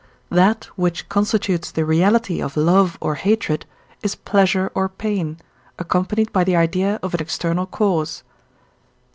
That, which constitutes the reality of love or hatred, is pleasure or pain, accompanied by the idea of an external cause (Def.